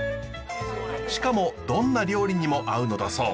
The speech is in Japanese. しかもどんな料理にも合うのだそう。